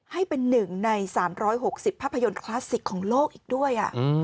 ให้เป็น๑ใน๓๖๐ภาพยนตร์คลาสสิกของโลกอีกด้วย